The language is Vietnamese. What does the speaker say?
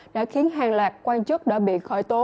đã khiến hàng lạc quan chức đã bị khỏi tố